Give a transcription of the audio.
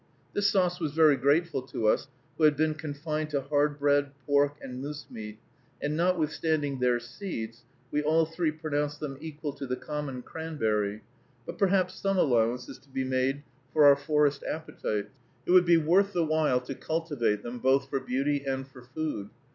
This sauce was very grateful to us who had been confined to hard bread, pork, and moose meat, and, notwithstanding their seeds, we all three pronounced them equal to the common cranberry; but perhaps some allowance is to be made for our forest appetites. It would be worth the while to cultivate them, both for beauty and for food.